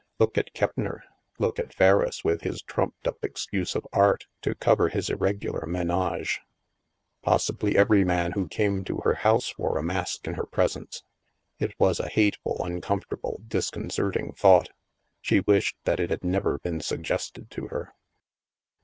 Look at Keppner ! Look at Ferriss, with his trumped up excuse of Art" to cover his irregular menage! Possibly every man who came to her house wore a IS6 THE MASK mask in her presence. It was a hateful, uncomfort able, disconcerting thought. She wished that it had never been suggested to her.